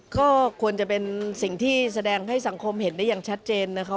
ก็ควรจะเป็นสิ่งที่แสดงให้สังคมเห็นได้อย่างชัดเจนนะคะ